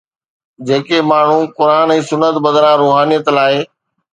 جيڪي ماڻهو قرآن ۽ سنت بدران روحانيت لاءِ